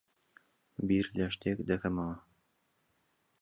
بیر لە شتێک دەکەمەوە.